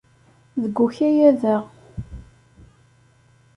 Deg ukayad-a.